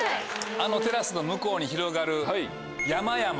あのテラスの向こうに広がる山々。